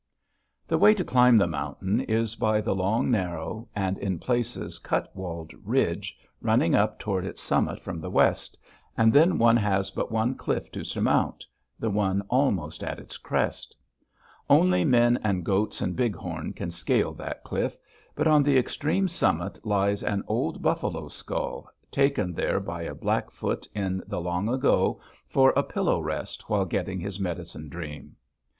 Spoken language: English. The way to climb the mountain is by the long, narrow, and in places cut walled ridge running up toward its summit from the west, and then one has but one cliff to surmount, the one almost at its crest. Only men and goats and bighorn can scale that cliff, but on the extreme summit lies an old buffalo skull, taken there by a Blackfoot in the long ago for a pillow rest while getting his medicine dream.